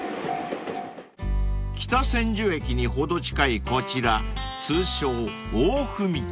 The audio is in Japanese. ［北千住駅にほど近いこちら通称大踏切］